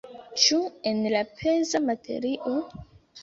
Ĉu en la peza materio?